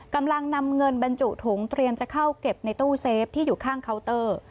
กำลังนำเงินบรรจุถุงเตรียมจะเข้าเก็บในตู้เซฟที่อยู่ข้างเคาน์เตอร์